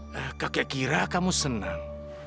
nah kakek kira kamu senang